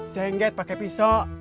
sengget pake pisau